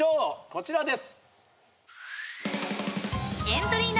こちらです。